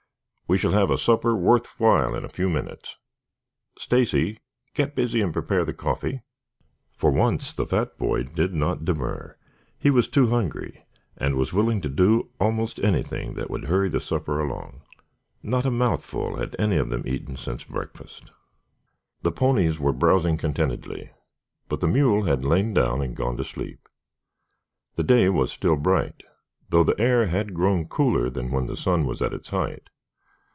We shall have a supper worth while in a few minutes. Stacy, get busy and prepare the coffee." For once the fat boy did not demur. He was too hungry, and was willing to do almost anything that would hurry the supper along. Not a mouthful had any of them eaten since breakfast. The ponies were browsing contentedly, but the mule had lain down and gone to sleep. The day was still bright, though the air had grown cooler than when the sun was at its height.